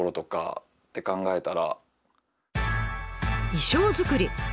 衣装作り？